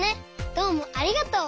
どうもありがとう。